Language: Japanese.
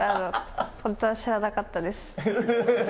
本当は知らなかったです。